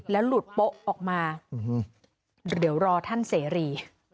หลุดโป๊ะออกมาเดี๋ยวรอท่านเสรี